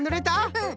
うん。